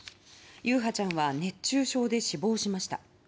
優陽ちゃんは熱中症で死亡しました。